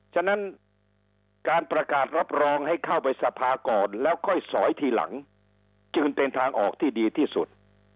ฉะนั้นการประกาศรับรองให้เข้าไปสภาก่อนแล้วค่อยสอยทีหลังจึงเป็นทางออกที่ดีที่สุด